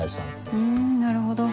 ふんなるほど。